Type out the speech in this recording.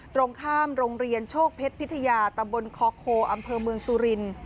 ตรงข้ามโรงเรียนโชคเพชรพิทยาตำบลคอโคอำเภอเมืองสุรินทร์